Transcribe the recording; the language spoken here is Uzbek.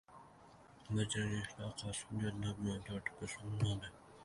bajargan ishlar qaysi hujjatlar bilan tartibga solinadi?